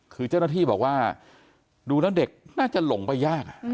คือเจ้าหน้าที่บอกว่าดูแล้วเด็กน่าจะหลงไปยาก